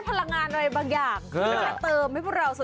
คือนิจใจไงเด็กเขาขออะไรแล้วดูกันนะครับ